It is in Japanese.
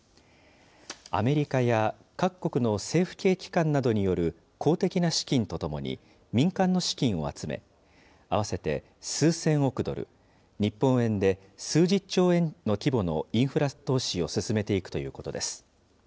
アメリカや、各国の政府系機関などによる公的な資金とともに、民間の資金を集め、合わせて数千億ドル、日本円で数十兆円の規模のインフラ投資を進めていくということです。